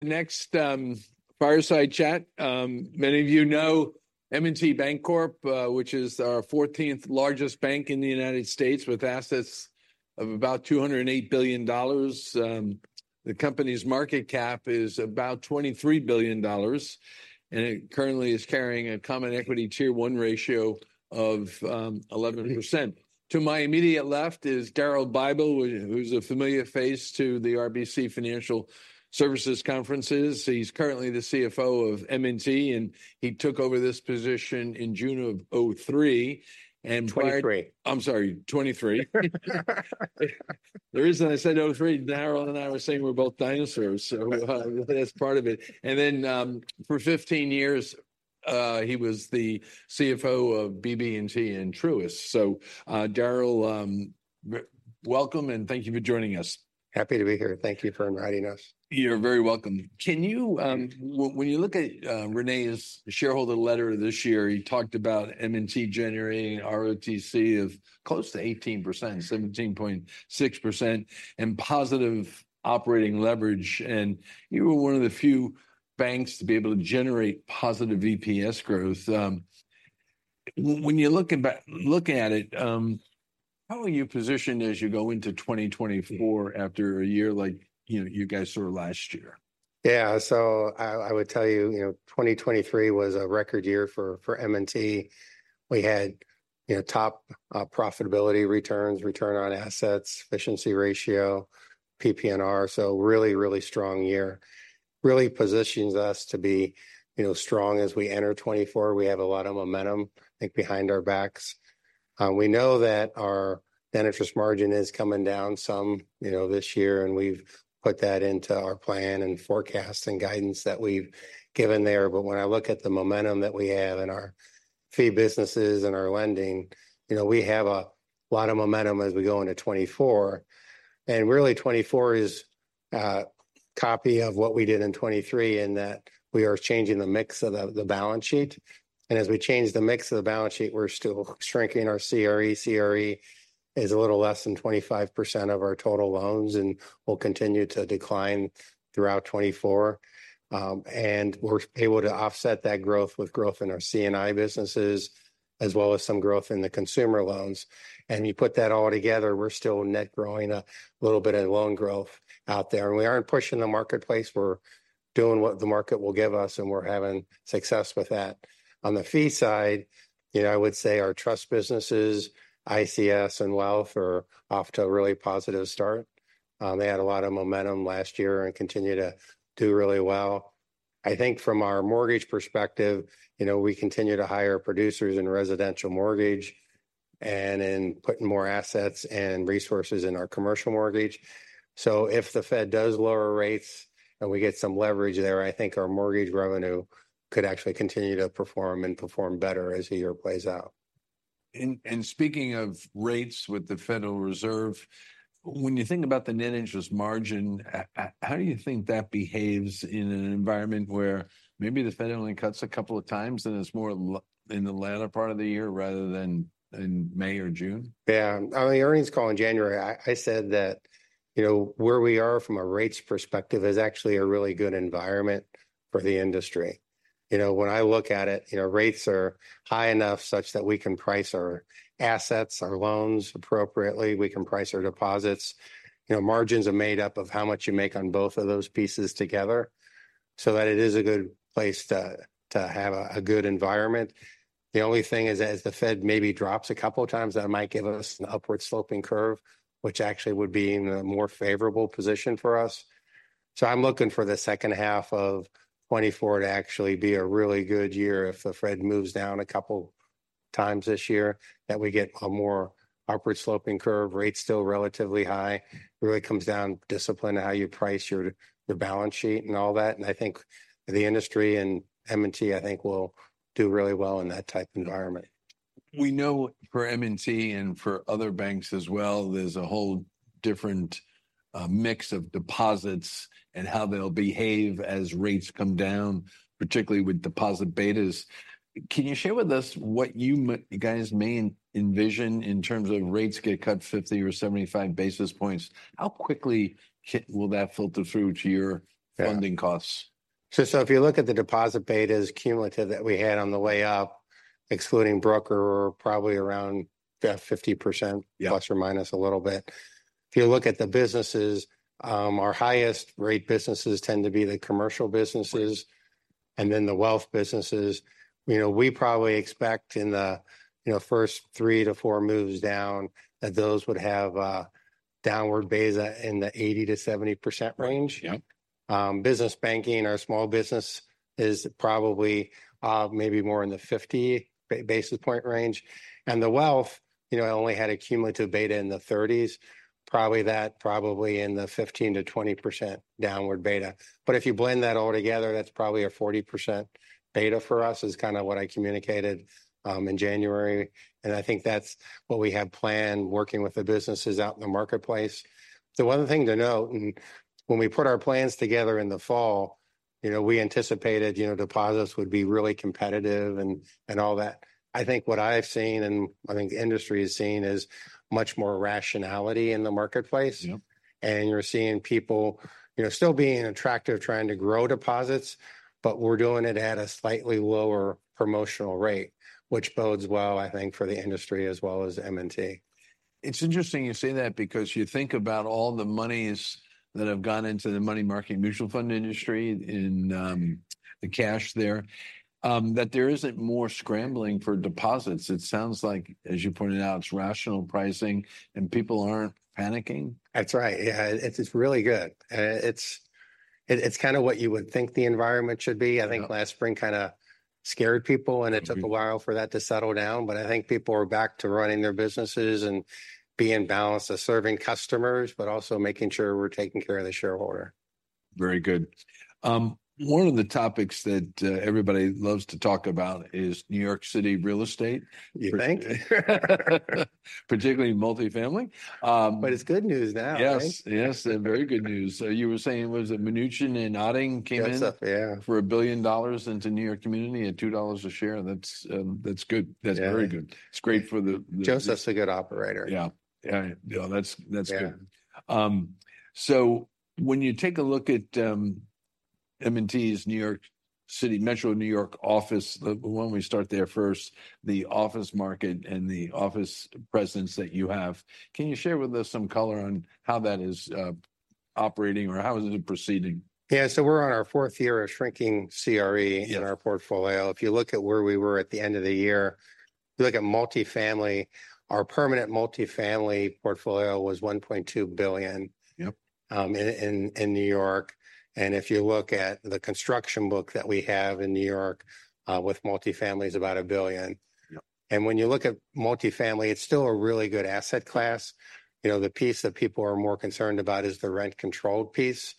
Next, fireside chat. Many of you know M&T Bank Corp, which is our 14th largest bank in the United States, with assets of about $208 billion. The company's market cap is about $23 billion, and it currently is carrying a Common Equity Tier 1 ratio of 11%. To my immediate left is Daryl Bible, who's a familiar face to the RBC Financial Services conferences. He's currently the CFO of M&T, and he took over this position in June of 2003, and prior- '2023. I'm sorry, 2023. The reason I said 2003, Darryl and I were saying we're both dinosaurs, so, that's part of it. And then, for 15 years, he was the CFO of BB&T and Truist. So, Darryl, welcome, and thank you for joining us. Happy to be here. Thank you for inviting us. You're very welcome. Can you... When you look at René's shareholder letter this year, he talked about M&T generating ROTCE of close to 18%, 17.6%, and positive operating leverage, and you were one of the few banks to be able to generate positive EPS growth. When you're looking at it, how are you positioned as you go into 2024 after a year like, you know, you guys saw last year? Yeah, so I would tell you, you know, 2023 was a record year for M&T. We had, you know, top profitability returns, return on assets, efficiency ratio, PPNR, so a really, really strong year. Really positions us to be, you know, strong as we enter 2024. We have a lot of momentum, I think, behind our backs. We know that our net interest margin is coming down some, you know, this year, and we've put that into our plan and forecast and guidance that we've given there. But when I look at the momentum that we have in our fee businesses and our lending, you know, we have a lot of momentum as we go into 2024. And really, 2024 is a copy of what we did in 2023, in that we are changing the mix of the balance sheet, and as we change the mix of the balance sheet, we're still shrinking our CRE. CRE is a little less than 25% of our total loans and will continue to decline throughout 2024. And we're able to offset that growth with growth in our C&I businesses, as well as some growth in the consumer loans. And you put that all together, we're still net growing a little bit in loan growth out there. And we aren't pushing the marketplace. We're doing what the market will give us, and we're having success with that. On the fee side, you know, I would say our trust businesses, ICS, and wealth are off to a really positive start. They had a lot of momentum last year and continue to do really well. I think from our mortgage perspective, you know, we continue to hire producers in residential mortgage and in putting more assets and resources in our commercial mortgage. So if the Fed does lower rates, and we get some leverage there, I think our mortgage revenue could actually continue to perform and perform better as the year plays out. Speaking of rates with the Federal Reserve, when you think about the net interest margin, how do you think that behaves in an environment where maybe the Fed only cuts a couple of times, and it's more in the latter part of the year rather than in May or June? Yeah. On the earnings call in January, I said that, you know, where we are from a rates perspective is actually a really good environment for the industry. You know, when I look at it, you know, rates are high enough such that we can price our assets, our loans appropriately. We can price our deposits. You know, margins are made up of how much you make on both of those pieces together, so that it is a good place to have a good environment. The only thing is that as the Fed maybe drops a couple of times, that might give us an upward-sloping curve, which actually would be in a more favorable position for us. So I'm looking for the second half of 2024 to actually be a really good year if the Fed moves down a couple times this year, that we get a more upward-sloping curve, rates still relatively high. It really comes down to discipline, how you price your, your balance sheet and all that, and I think the industry and M&T, I think, will do really well in that type of environment. We know for M&T and for other banks as well, there's a whole different mix of deposits and how they'll behave as rates come down, particularly with deposit betas. Can you share with us what you guys may envision in terms of rates get cut 50 or 75 basis points? How quickly will that filter through to your- Yeah... funding costs? So if you look at the deposit betas cumulative that we had on the way up, excluding broker, we're probably around 50%- Yeah... ± a little bit. If you look at the businesses, our highest-rate businesses tend to be the commercial businesses and then the wealth businesses. You know, we probably expect in the, you know, first three to four moves down, that those would have a downward beta in the 80%-70% range. Yep. Business banking or small business is probably maybe more in the 50 basis point range, and the wealth, you know, it only had a cumulative beta in the 30s, probably that, probably in the 15%-20% downward beta. But if you blend that all together, that's probably a 40% beta for us, is kind of what I communicated in January, and I think that's what we have planned, working with the businesses out in the marketplace. The one thing to note, and when we put our plans together in the fall, you know, we anticipated, you know, deposits would be really competitive and all that. I think what I've seen, and I think the industry has seen, is much more rationality in the marketplace- Yep... and you're seeing people, you know, still being attractive, trying to grow deposits, but we're doing it at a slightly lower promotional rate, which bodes well, I think, for the industry as well as M&T.... It's interesting you say that, because you think about all the monies that have gone into the money market mutual fund industry and, the cash there, that there isn't more scrambling for deposits. It sounds like, as you pointed out, it's rational pricing, and people aren't panicking? That's right. Yeah, it's really good. It's kind of what you would think the environment should be. Yeah. I think last spring kind of scared people- Mm... and it took a while for that to settle down, but I think people are back to running their businesses and being balanced to serving customers, but also making sure we're taking care of the shareholder. Very good. One of the topics that, everybody loves to talk about is New York City real estate. You think? Particularly multi-family. But it's good news now, right? Yes, yes, very good news. So you were saying, was it Mnuchin and Otting came in- Yes, sir. Yeah.... for $1 billion into New York Community at $2 a share, and that's, that's good. Yeah. That's very good. It's great for the Joseph's a good operator. Yeah. Yeah, yeah, that's- Yeah... that's good. So when you take a look at M&T's New York City, Metro New York office, why don't we start there first, the office market and the office presence that you have, can you share with us some color on how that is operating, or how is it proceeding? Yeah, so we're on our fourth year of shrinking CRE- Yes... in our portfolio. If you look at where we were at the end of the year, if you look at multi-family, our permanent multi-family portfolio was $1.2 billion- Yep... in New York, and if you look at the construction book that we have in New York, with multi-family is about $1 billion. Yep. When you look at multi-family, it's still a really good asset class. You know, the piece that people are more concerned about is the rent-controlled piece,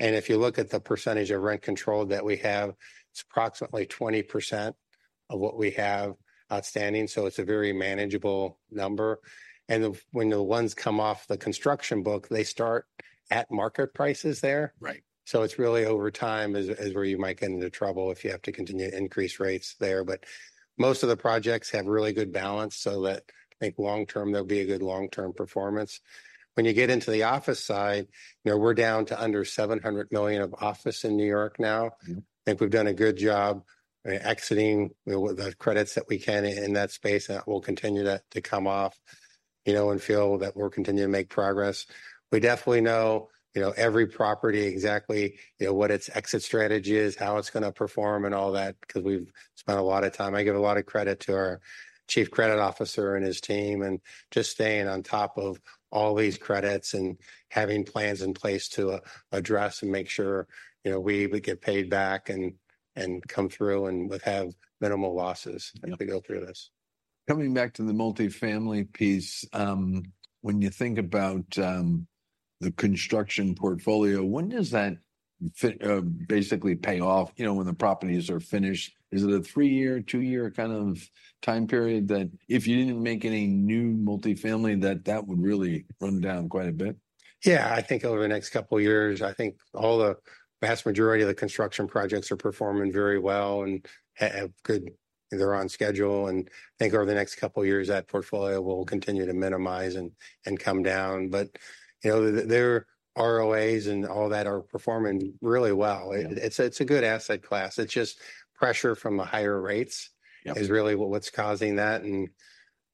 and if you look at the percentage of rent-controlled that we have, it's approximately 20% of what we have outstanding, so it's a very manageable number. And then, when the ones come off the construction book, they start at market prices there. Right. So it's really over time, where you might get into trouble if you have to continue to increase rates there. But most of the projects have really good balance, so that I think long-term, there'll be a good long-term performance. When you get into the office side, you know, we're down to under $700 million of office in New York now. Mm-hmm. I think we've done a good job exiting the credits that we can in that space, and that will continue to come off, you know, and feel that we're continuing to make progress. We definitely know, you know, every property exactly, you know, what its exit strategy is, how it's gonna perform and all that, 'cause we've spent a lot of time... I give a lot of credit to our Chief Credit Officer and his team, and just staying on top of all these credits and having plans in place to address and make sure, you know, we would get paid back and, and come through, and would have minimal losses- Yep... as we go through this. Coming back to the multi-family piece, when you think about the construction portfolio, when does that basically pay off? You know, when the properties are finished, is it a three-year, two-year kind of time period, that if you didn't make any new multi-family, that that would really run down quite a bit? Yeah, I think over the next couple of years, I think all the vast majority of the construction projects are performing very well, and have good... They're on schedule, and I think over the next couple of years, that portfolio will continue to minimize and come down. But, you know, their ROAs and all that are performing really well. Yeah. It's a good asset class. It's just pressure from the higher rates- Yep... is really what what's causing that, and,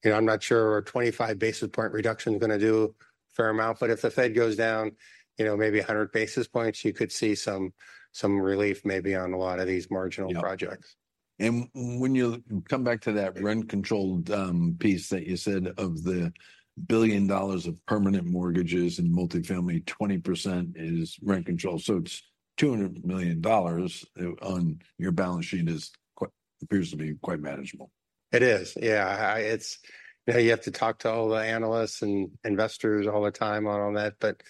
you know, I'm not sure a 25 basis point reduction is gonna do a fair amount, but if the Fed goes down, you know, maybe 100 basis points, you could see some, some relief maybe on a lot of these marginal projects. Yeah. And when you come back to that rent-controlled piece that you said, of the $1 billion of permanent mortgages in multi-family, 20% is rent-controlled, so it's $200 million on your balance sheet is quite, appears to be quite manageable. It is, yeah. It's... You know, you have to talk to all the analysts and investors all the time on all that, but,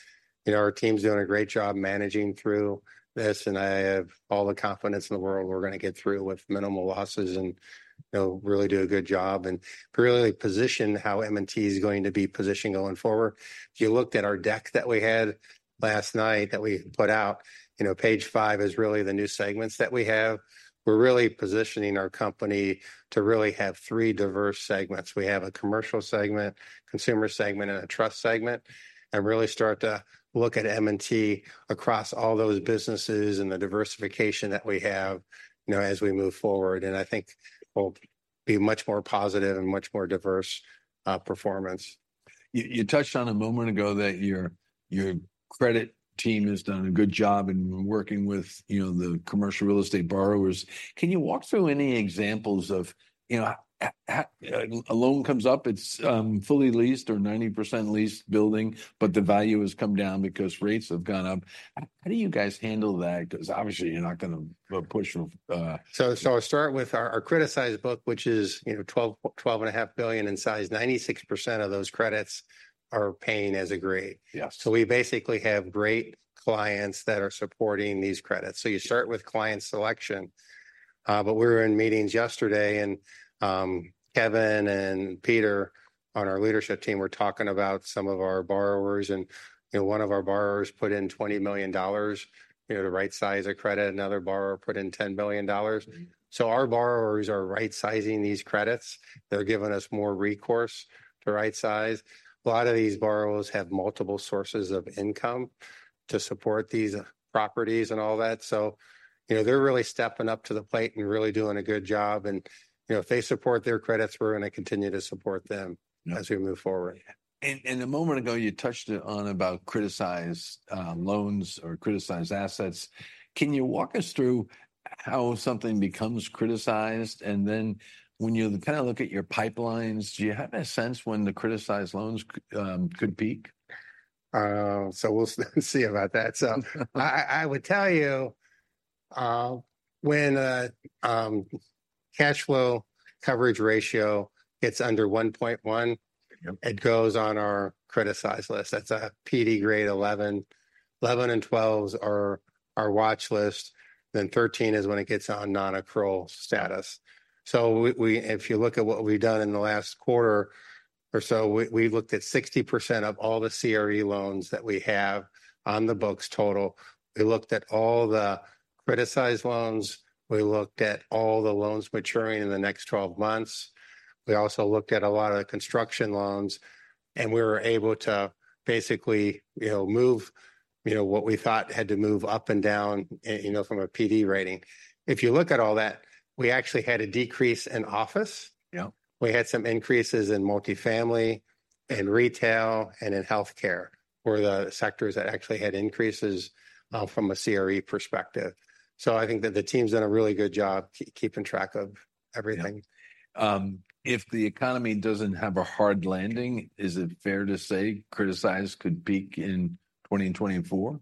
you know, our team's doing a great job managing through this, and I have all the confidence in the world we're gonna get through with minimal losses, and, you know, really do a good job, and really position how M&T is going to be positioned going forward. If you looked at our deck that we had last night that we put out, you know, page five is really the new segments that we have. We're really positioning our company to really have three diverse segments. We have a commercial segment, consumer segment, and a trust segment, and really start to look at M&T across all those businesses and the diversification that we have, you know, as we move forward, and I think we'll be much more positive and much more diverse performance. You touched on a moment ago that your credit team has done a good job in working with, you know, the commercial real estate borrowers. Can you walk through any examples of, you know, a loan comes up, it's fully leased or 90% leased building, but the value has come down because rates have gone up. How do you guys handle that? 'Cause obviously you're not gonna push. So I'll start with our criticized book, which is, you know, $12-$12.5 billion in size. 96% of those credits are paying as agreed. Yes. So we basically have great clients that are supporting these credits. So you start with client selection. But we were in meetings yesterday, and Kevin Pearson and Peter D'Arcy on our leadership team were talking about some of our borrowers, and, you know, one of our borrowers put in $20 million, you know, to right-size a credit. Another borrower put in $10 million. Mm-hmm. So our borrowers are right-sizing these credits. They're giving us more recourse to right-size. A lot of these borrowers have multiple sources of income to support these properties and all that, so, you know, they're really stepping up to the plate and really doing a good job, and you know, if they support their credits, we're gonna continue to support them. Yeah as we move forward. And a moment ago, you touched on about criticized loans or criticized assets. Can you walk us through how something becomes criticized? And then when you kinda look at your pipelines, do you have a sense when the criticized loans could peak? We'll see about that. I would tell you when a cash flow coverage ratio gets under 1.1- Yep... it goes on our criticized list. That's a PD Grade 11. 11 and 12s are our watch list, then 13 is when it gets on non-accrual status. So, if you look at what we've done in the last quarter or so, we've looked at 60% of all the CRE loans that we have on the books total. We looked at all the criticized loans. We looked at all the loans maturing in the next 12 months. We also looked at a lot of the construction loans, and we were able to basically, you know, move, you know, what we thought had to move up and down, you know, from a PD rating. If you look at all that, we actually had a decrease in office. Yep. We had some increases in multifamily, in retail, and in healthcare were the sectors that actually had increases from a CRE perspective. So I think that the team's done a really good job keeping track of everything. Yeah. If the economy doesn't have a hard landing, is it fair to say criticized could peak in 2024?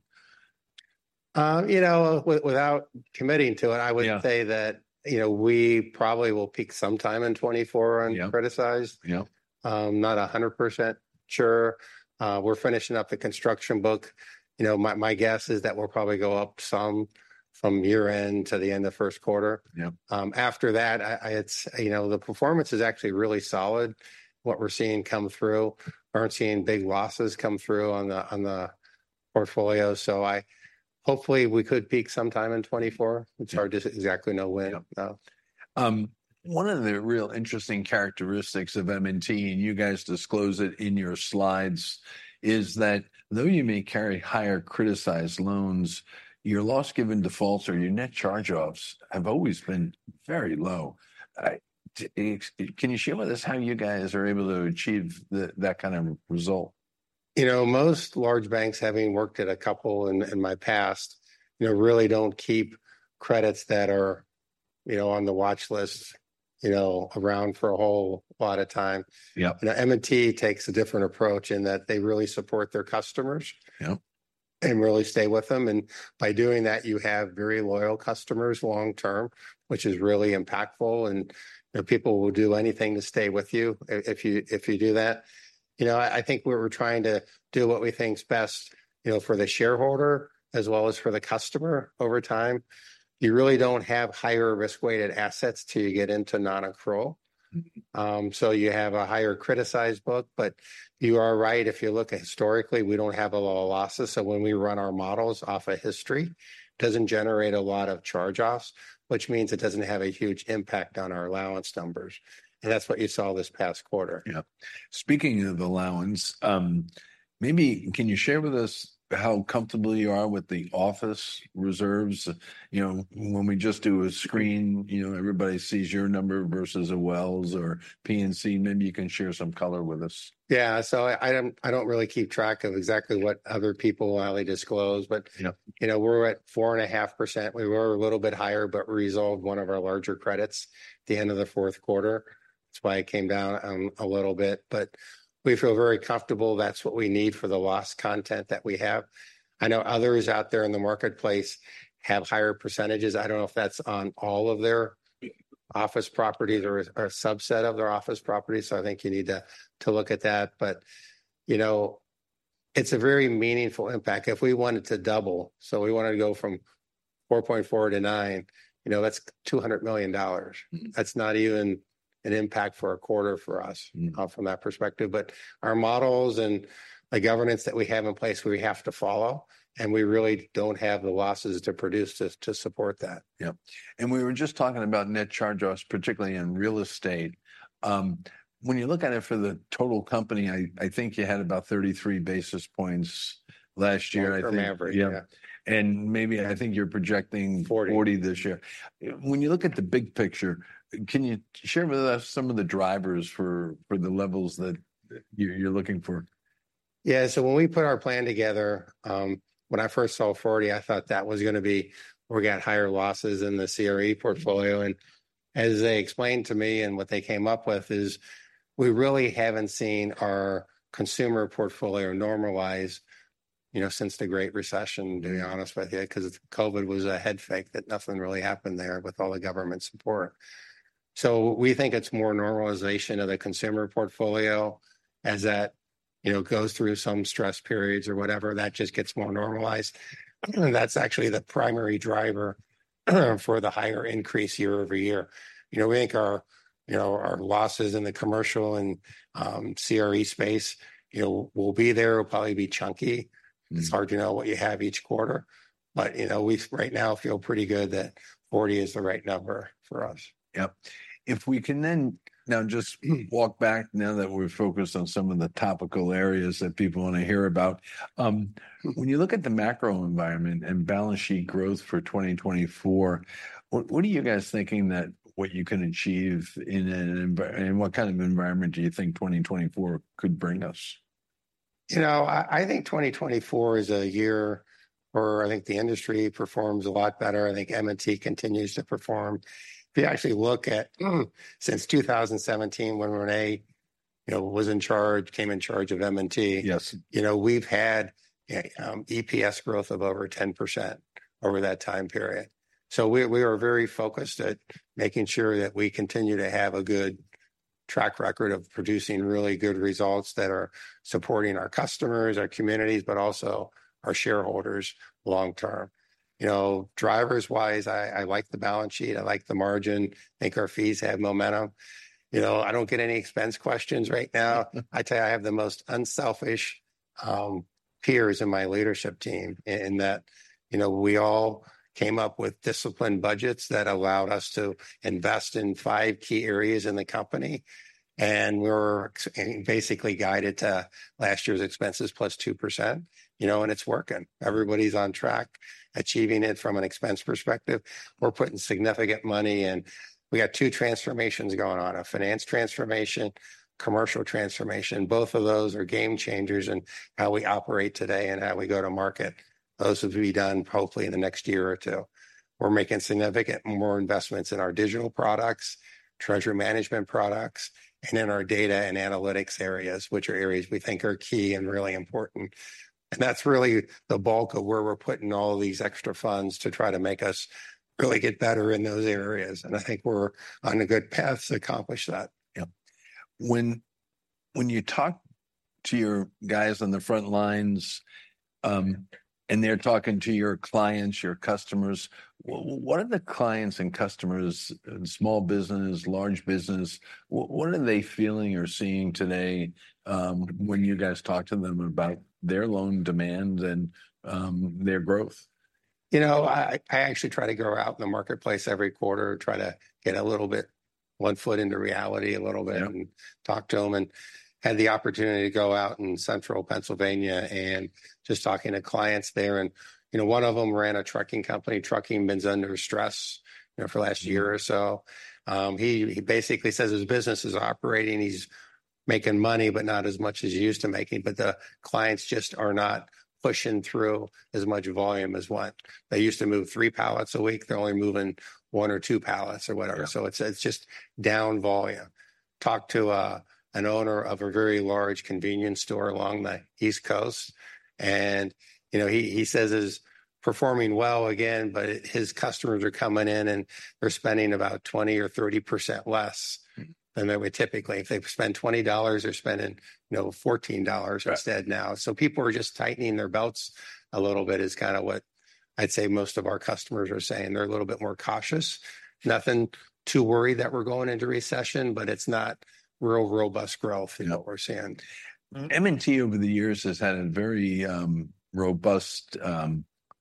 You know, without committing to it- Yeah... I would say that, you know, we probably will peak sometime in 2024 on- Yeah... criticized. Yep. Not 100% sure. We're finishing up the construction book. You know, my, my guess is that we'll probably go up some from year-end to the end of first quarter. Yep. After that, it's, you know, the performance is actually really solid, what we're seeing come through. We aren't seeing big losses come through on the portfolio, so hopefully, we could peak sometime in 2024. Yeah. It's hard to exactly know when. Yep. Uh... One of the real interesting characteristics of M&T, and you guys disclose it in your slides, is that though you may carry higher criticized loans, your loss given defaults or your net charge-offs have always been very low. Can you share with us how you guys are able to achieve that kind of result? You know, most large banks, having worked at a couple in my past, you know, really don't keep credits that are, you know, on the watch list, you know, around for a whole lot of time. Yep. Now, M&T takes a different approach in that they really support their customers- Yep ... and really stay with them, and by doing that, you have very loyal customers long term, which is really impactful, and, you know, people will do anything to stay with you if, if you, if you do that. You know, I, I think we're trying to do what we think is best, you know, for the shareholder as well as for the customer over time. You really don't have higher risk-weighted assets till you get into non-accrual. Mm-hmm. So you have a higher criticized book, but you are right. If you look at historically, we don't have a lot of losses, so when we run our models off of history, doesn't generate a lot of charge-offs, which means it doesn't have a huge impact on our allowance numbers, and that's what you saw this past quarter. Yep. Speaking of allowance, maybe can you share with us how comfortable you are with the office reserves? You know, when we just do a screen, you know, everybody sees your number versus a Wells or PNC. Maybe you can share some color with us. Yeah, so I don't really keep track of exactly what other people, Wally, disclose, but- Yeah... you know, we're at 4.5%. We were a little bit higher but resolved one of our larger credits at the end of the fourth quarter. That's why it came down, a little bit, but we feel very comfortable. That's what we need for the loss content that we have. I know others out there in the marketplace have higher percentages. I don't know if that's on all of their- Mm... office properties or a subset of their office properties, so I think you need to look at that. But, you know, it's a very meaningful impact. If we want it to double, so we want to go from 4.4 -9, you know, that's $200 million. Mm-hmm. That's not even an impact for a quarter for us- Mm... from that perspective. But our models and the governance that we have in place, we have to follow, and we really don't have the losses to produce to support that. Yep, and we were just talking about net charge-offs, particularly in real estate. When you look at it for the total company, I think you had about 33 basis points last year, I think. Long-term average. Yeah. Yeah. Maybe I think you're projecting- 40 …40 this year. When you look at the big picture, can you share with us some of the drivers for the levels that you're looking for? Yeah, so when we put our plan together, when I first saw 40, I thought that was gonna be we got higher losses in the CRE portfolio. Mm-hmm. As they explained to me and what they came up with is, we really haven't seen our consumer portfolio normalize, you know, since the Great Recession. Yeah... to be honest with you, because COVID was a head fake, that nothing really happened there with all the government support. So we think it's more normalization of the consumer portfolio. As that, you know, goes through some stress periods or whatever, that just gets more normalized, and that's actually the primary driver for the higher increase year-over-year. You know, we think our, you know, our losses in the commercial and CRE space, you know, will be there, will probably be chunky. Mm. It's hard to know what you have each quarter, but, you know, we right now feel pretty good that 40 is the right number for us. Yep. If we can then now just- Mm ...walk back now that we're focused on some of the topical areas that people want to hear about. When you look at the macro environment and balance sheet growth for 2024, what are you guys thinking that what you can achieve in an environment and what kind of environment do you think 2024 could bring us?... You know, I think 2024 is a year where I think the industry performs a lot better. I think M&T continues to perform. If you actually look at since 2017, when René, you know, was in charge, came in charge of M&T- Yes. You know, we've had EPS growth of over 10% over that time period. So we are very focused at making sure that we continue to have a good track record of producing really good results that are supporting our customers, our communities, but also our shareholders long term. You know, drivers-wise, I like the balance sheet, I like the margin. I think our fees have momentum. You know, I don't get any expense questions right now. I tell you, I have the most unselfish peers in my leadership team in that, you know, we all came up with disciplined budgets that allowed us to invest in five key areas in the company, and we're basically guided to last year's expenses +2%, you know, and it's working. Everybody's on track, achieving it from an expense perspective. We're putting significant money in. We got two transformations going on, a finance transformation, commercial transformation. Both of those are game changers in how we operate today and how we go to market. Those will be done hopefully in the next year or two. We're making significant more investments in our digital products, treasury management products, and in our data and analytics areas, which are areas we think are key and really important. And that's really the bulk of where we're putting all these extra funds, to try to make us really get better in those areas, and I think we're on a good path to accomplish that. Yeah. When you talk to your guys on the front lines, and they're talking to your clients, your customers, what are the clients and customers, small business, large business, what are they feeling or seeing today, when you guys talk to them about their loan demands and, their growth? You know, I actually try to go out in the marketplace every quarter, try to get a little bit, one foot into reality a little bit- Yeah... and talk to them, and had the opportunity to go out in Central Pennsylvania and just talking to clients there, and, you know, one of them ran a trucking company. Trucking been under stress, you know, for the last year or so. He basically says his business is operating, he's making money, but not as much as he used to making, but the clients just are not pushing through as much volume as what. They used to move three pallets a week, they're only moving one or two pallets or whatever. Yeah. So it's just down volume. Talked to an owner of a very large convenience store along the East Coast, and, you know, he says he's performing well again, but his customers are coming in, and they're spending about 20% or 30% less- Mm... than they would typically. If they spend $20, they're spending, you know, $14 instead now. Right. So people are just tightening their belts a little bit, is kind of what I'd say most of our customers are saying. They're a little bit more cautious. Nothing to worry that we're going into recession, but it's not real robust growth- Yeah... that we're seeing. M&T, over the years, has had a very robust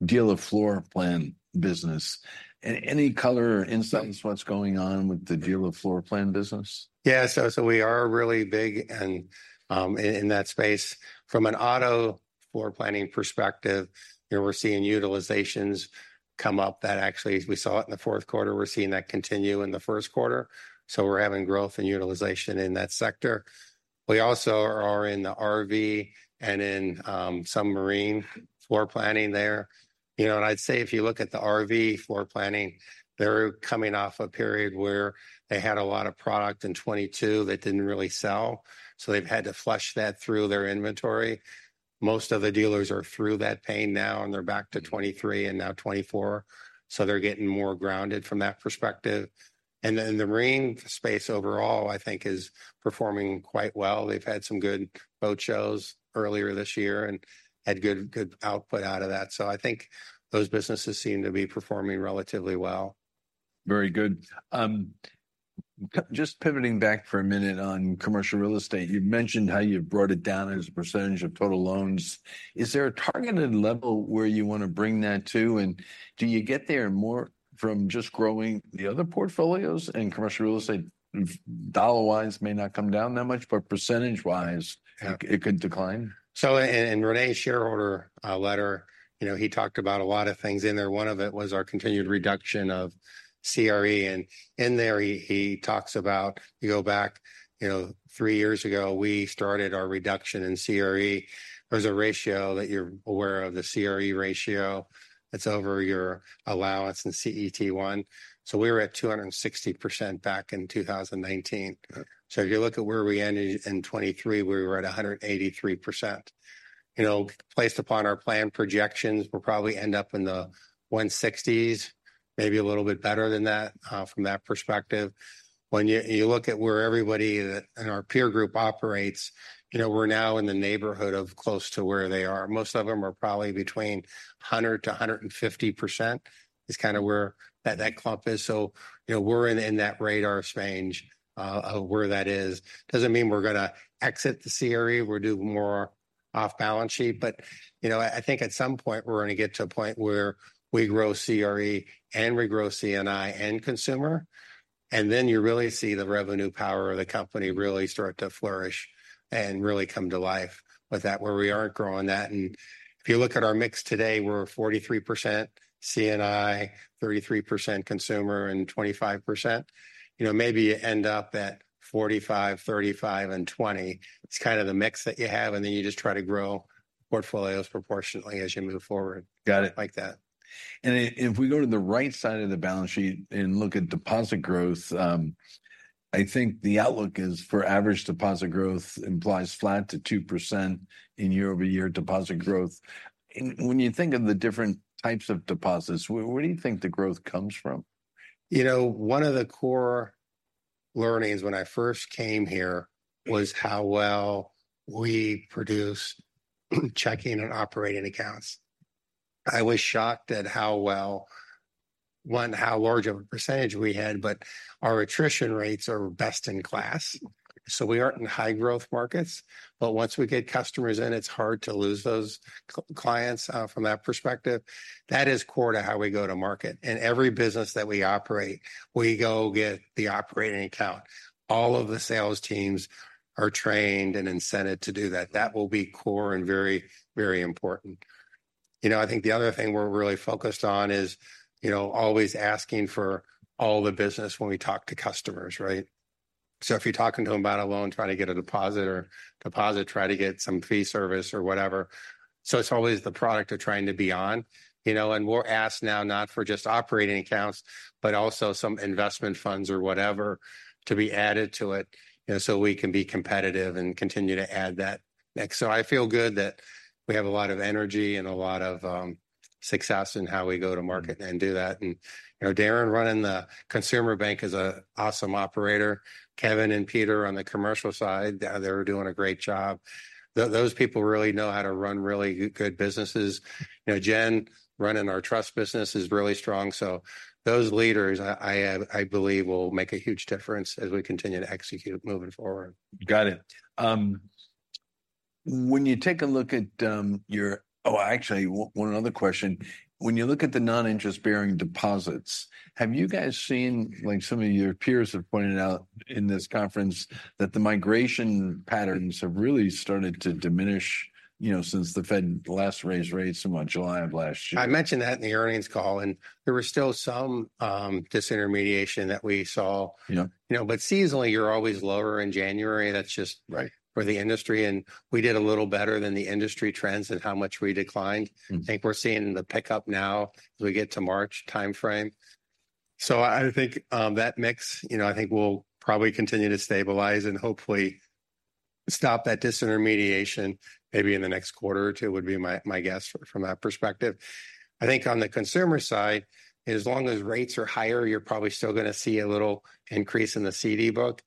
dealer floor plan business. Any color or insights what's going on with the dealer floor plan business? Yeah, so we are really big in that space. From an auto floor planning perspective, you know, we're seeing utilizations come up that actually, as we saw it in the fourth quarter, we're seeing that continue in the first quarter, so we're having growth and utilization in that sector. We also are in the RV and in some marine floor planning there. You know, and I'd say if you look at the RV floor planning, they're coming off a period where they had a lot of product in 2022 that didn't really sell, so they've had to flush that through their inventory. Most of the dealers are through that pain now, and they're back to 2023 and now 2024, so they're getting more grounded from that perspective. And then the marine space overall, I think is performing quite well. They've had some good boat shows earlier this year and had good, good output out of that. So I think those businesses seem to be performing relatively well. Very good. Just pivoting back for a minute on commercial real estate, you mentioned how you've brought it down as a percentage of total loans. Is there a targeted level where you want to bring that to, and do you get there more from just growing the other portfolios? And commercial real estate, dollar-wise, may not come down that much, but percentage-wise- Yeah... it, it could decline. So in René's shareholder letter, you know, he talked about a lot of things in there. One of it was our continued reduction of CRE, and in there he talks about, you go back, you know, three years ago, we started our reduction in CRE. There's a ratio that you're aware of, the CRE ratio. It's over your allowance in CET1. So we were at 260% back in 2019. Yeah. So if you look at where we ended in 2023, we were at 183%. You know, placed upon our plan projections, we'll probably end up in the 160s, maybe a little bit better than that from that perspective. When you look at where everybody that in our peer group operates, you know, we're now in the neighborhood of close to where they are. Most of them are probably between 100-150%, is kind of where that clump is. So, you know, we're in that radar range of where that is. Doesn't mean we're gonna exit the CRE or do more off balance sheet, but, you know, I, I think at some point, we're gonna get to a point where we grow CRE and we grow C&I and consumer, and then you really see the revenue power of the company really start to flourish and really come to life with that, where we aren't growing that. And if you look at our mix today, we're 43% C&I, 33% consumer, and 25%. You know, maybe you end up at 45, 35, and 20. It's kind of the mix that you have, and then you just try to grow portfolios proportionately as you move forward. Got it. Like that. If we go to the right side of the balance sheet and look at deposit growth, I think the outlook is for average deposit growth implies flat to 2% in year-over-year deposit growth. When you think of the different types of deposits, where do you think the growth comes from? You know, one of the core learnings when I first came here was how well we produce checking and operating accounts. I was shocked at how well, one, how large of a percentage we had, but our attrition rates are best-in-class, so we aren't in high-growth markets. But once we get customers in, it's hard to lose those clients from that perspective. That is core to how we go to market. In every business that we operate, we go get the operating account. All of the sales teams are trained and incented to do that. That will be core and very, very important. You know, I think the other thing we're really focused on is, you know, always asking for all the business when we talk to customers, right? So if you're talking to them about a loan, trying to get a deposit or deposit, try to get some fee service or whatever, so it's always the product they're trying to be on. You know, and we'll ask now not for just operating accounts, but also some investment funds or whatever to be added to it, you know, so we can be competitive and continue to add that next. So I feel good that we have a lot of energy and a lot of success in how we go to market and do that. And, you know, Darren running the consumer bank is a awesome operator. Kevin and Peter on the commercial side, they're doing a great job. Those people really know how to run really good businesses. You know, Jen running our trust business is really strong, so those leaders, I believe, will make a huge difference as we continue to execute moving forward. Got it. When you take a look at your... Oh, actually, one other question: When you look at the non-interest-bearing deposits, have you guys seen, like some of your peers have pointed out in this conference, that the migration patterns have really started to diminish, you know, since the Fed last raised rates in about July of last year? I mentioned that in the earnings call, and there was still some disintermediation that we saw. Yeah. You know, but seasonally, you're always lower in January. That's just- Right ... for the industry, and we did a little better than the industry trends and how much we declined. Mm. I think we're seeing the pickup now as we get to March timeframe. So I think that mix, you know, I think, will probably continue to stabilize and hopefully stop that disintermediation maybe in the next quarter or two, would be my guess from that perspective. I think on the consumer side, as long as rates are higher, you're probably still gonna see a little increase in the CD book.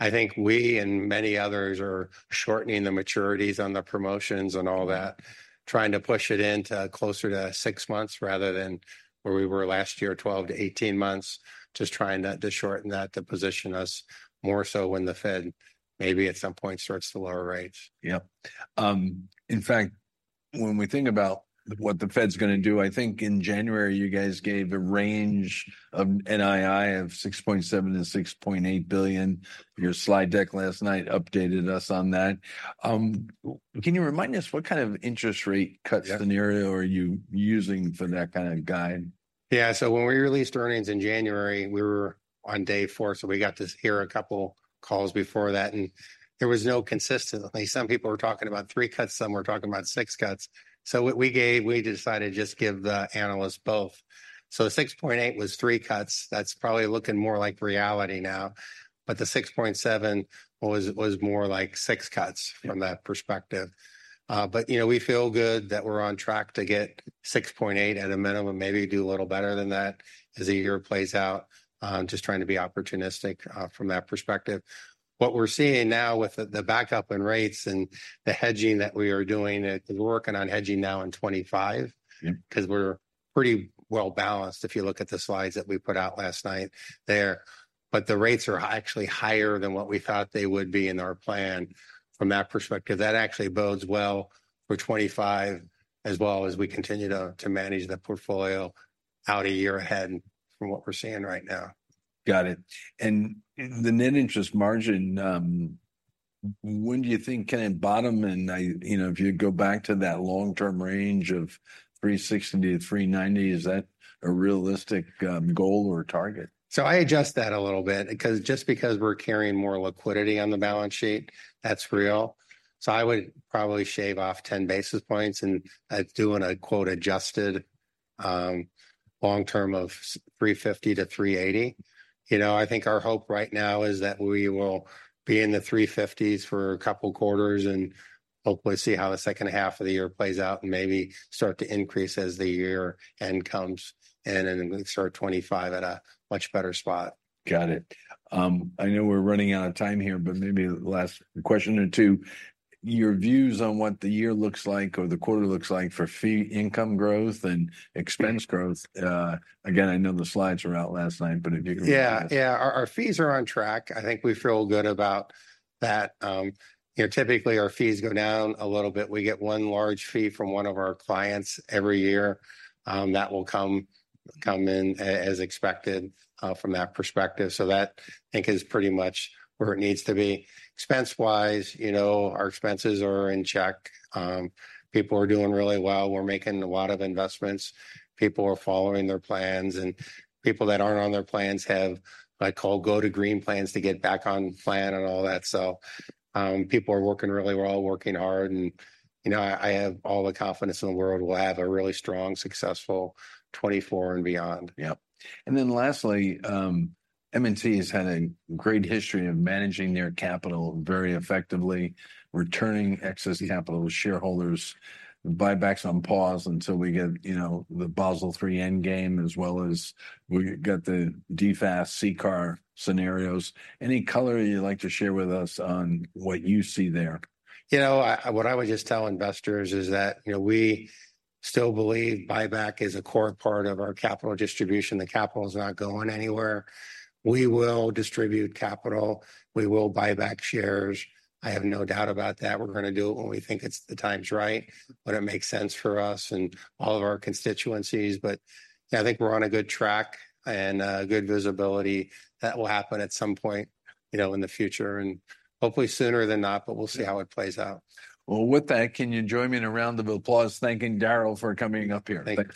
I think we and many others are shortening the maturities on the promotions and all that, trying to push it in to closer to six months rather than where we were last year, 12-18 months, just trying to shorten that, to position us more so when the Fed maybe at some point starts to lower rates. Yep. In fact, when we think about what the Fed's gonna do, I think in January you guys gave a range of NII of $6.7 billion-$6.8 billion. Your slide deck last night updated us on that. Can you remind us what kind of interest rate cut? Yeah... scenario are you using for that kind of guide? Yeah, so when we released earnings in January, we were on day four, so we got to hear a couple calls before that, and there was no consistency. Some people were talking about three cuts, some were talking about six cuts, so what we gave - we decided just give the analysts both. So $6.8 was three cuts. That's probably looking more like reality now. But the $6.7 was, was more like six cuts- Yeah... from that perspective. But, you know, we feel good that we're on track to get 6.8 at a minimum, maybe do a little better than that as the year plays out. Just trying to be opportunistic, from that perspective. What we're seeing now with the backup in rates and the hedging that we are doing, we're working on hedging now in 2025- Yeah... 'cause we're pretty well-balanced, if you look at the slides that we put out last night there. But the rates are actually higher than what we thought they would be in our plan from that perspective. That actually bodes well for 2025, as well as we continue to manage the portfolio out a year ahead from what we're seeing right now. Got it. And the net interest margin, when do you think can it bottom, and you know, if you go back to that long-term range of 360-390, is that a realistic goal or target? So I adjust that a little bit, because just because we're carrying more liquidity on the balance sheet, that's real. So I would probably shave off 10 basis points, and I'd do a, quote, "adjusted", long term of say 350-380. You know, I think our hope right now is that we will be in the 350s for a couple quarters and hopefully see how the second half of the year plays out and maybe start to increase as the year end comes, and then start 2025 at a much better spot. Got it. I know we're running out of time here, but maybe last question or two, your views on what the year looks like or the quarter looks like for fee income growth and expense growth. Again, I know the slides were out last night, but if you can- Yeah, yeah. remind us. Our fees are on track. I think we feel good about that. You know, typically, our fees go down a little bit. We get one large fee from one of our clients every year. That will come in as expected from that perspective, so that, I think, is pretty much where it needs to be. Expense-wise, you know, our expenses are in check. People are doing really well. We're making a lot of investments. People are following their plans, and people that aren't on their plans have what I call Go to Green plans to get back on plan and all that. People are working really well, working hard, and, you know, I have all the confidence in the world we'll have a really strong, successful 2024 and beyond. Yep. And then lastly, M&T has had a great history of managing their capital very effectively, returning excess capital to shareholders, buybacks on pause until we get, you know, the Basel III Endgame, as well as we get the DFAST, CCAR scenarios. Any color you'd like to share with us on what you see there? You know, what I would just tell investors is that, you know, we still believe buyback is a core part of our capital distribution. The capital's not going anywhere. We will distribute capital. We will buy back shares. I have no doubt about that. We're gonna do it when we think it's the time's right, when it makes sense for us and all of our constituencies. But, you know, I think we're on a good track and good visibility. That will happen at some point, you know, in the future, and hopefully sooner than not, but we'll see how it plays out. Well, with that, can you join me in a round of applause thanking Darryl for coming up here? Thank you.